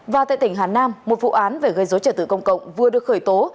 và tại tỉnh hà nam một vụ án về gây dối trẻ tử công cộng vừa được khởi tố